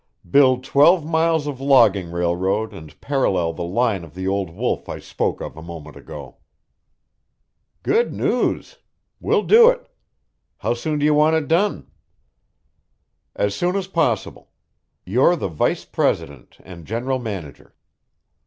"Build twelve miles of logging railroad and parallel the line of the old wolf I spoke of a moment ago." "Good news! We'll do it. How soon do you want it done?" "As soon as possible. You're the vice president and general manager."